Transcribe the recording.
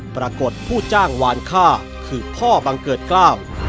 ปรากฏผู้จ้างวานฆ่าคือพ่อบังเกิดเกล้า